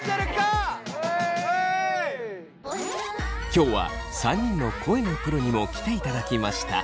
今日は３人の声のプロにも来ていただきました。